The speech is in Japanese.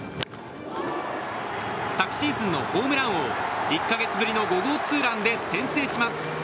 昨シーズンのホームラン王１か月ぶりの５号ツーランで先制します。